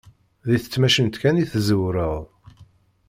Di tecmatin kan i tẓewreḍ.